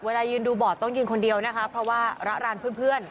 ยืนดูบอร์ดต้องยืนคนเดียวนะคะเพราะว่าระรานเพื่อน